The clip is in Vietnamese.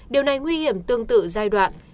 điều này nguy hiểm tương tự giai đoạn